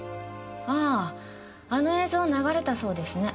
あああの映像流れたそうですね。